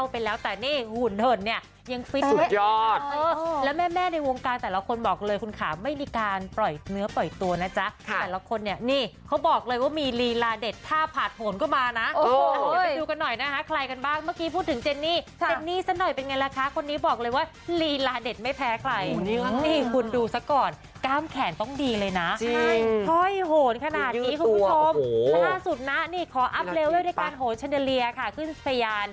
เป็นแล้วแต่นี่หุ่นเหิดเนี่ยยังสุดยอดแล้วแม่ในวงการแต่ละคนบอกเลยคุณขาไม่ได้การปล่อยเนื้อปล่อยตัวนะจ๊ะค่ะแต่ละคนเนี่ยนี่เขาบอกเลยว่ามีลีลาเด็ดถ้าผัดโหนก็มาน่ะโอ้โหอย่าไปดูกันหน่อยนะฮะใครกันบ้างเมื่อกี้พูดถึงเจนนี่เจนนี่สักหน่อยเป็นไงล่ะค่ะคนนี้บอกเลยว่าลีลาเด็ดไม่แพ้ใครนี่คุณดูสั